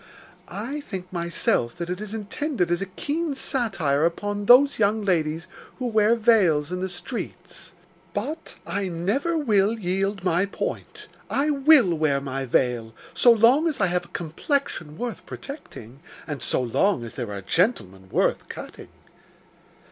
I think, myself, that it is intended as a keen satire upon those young ladies who wear veils in the streets; but I never will yield my point. I will wear my veil, so long as I have a complexion worth protecting, and so long as there are gentlemen worth cutting.